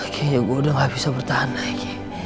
kayaknya gue udah gak bisa bertahan aja